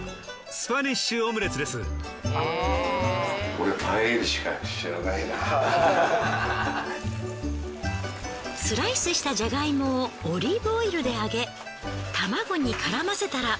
お返しにスライスしたジャガイモをオリーブオイルで揚げ卵に絡ませたら。